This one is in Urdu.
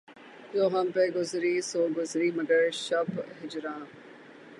جو ہم پہ گزری سو گزری مگر شب ہجراں